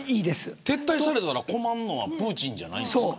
撤退されたら困るのはプーチンじゃないですか。